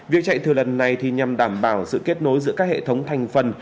việc chạy thử lần này nhằm đảm bảo sự kết nối giữa các hệ thống thành phần